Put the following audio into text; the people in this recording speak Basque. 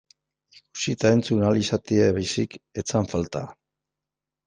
Ikusi eta entzun ahal izatea baizik ez zen falta.